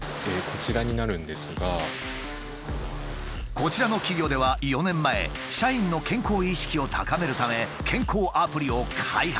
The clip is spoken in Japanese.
こちらの企業では４年前社員の健康意識を高めるため健康アプリを開発。